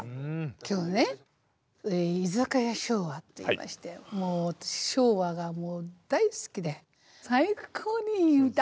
今日ね「居酒屋『昭和』」っていいましてもう私昭和が大好きで最高にいい歌！